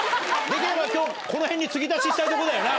できれば今日この辺に継ぎ足ししたいとこだよな？